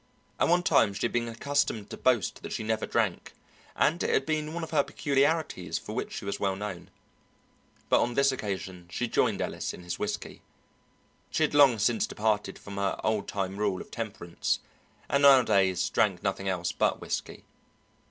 At one time she had been accustomed to boast that she never drank, and it had been one of her peculiarities for which she was well known. But on this occasion she joined Ellis in his whisky. She had long since departed from her old time rule of temperance, and nowadays drank nothing else but whisky.